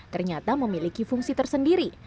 ternyata memiliki fungsi tersendiri